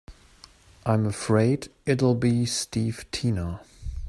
I'm afraid it'll be Steve Tina.